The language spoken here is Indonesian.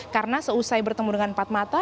karena seusai bertemu dengan empat mata